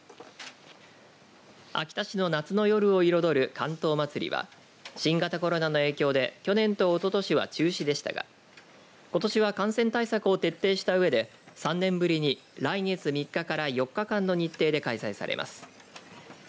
秋田市の夏の夜を彩る竿燈まつりは新型コロナの影響で去年とおととしは中止でしたがことしは感染対策を徹底したうえで３年ぶりに来月３日から４日間の日程で開催されます。